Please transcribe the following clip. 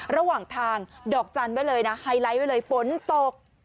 ระหว่างทางดอกจันทร์ไว้เลยนะไฮไลท์ไว้เลยฝนตก